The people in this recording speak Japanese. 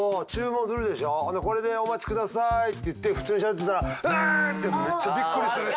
ほんでこれでお待ちくださいって言って普通にしゃべってたらブッてめっちゃびっくりするっていう。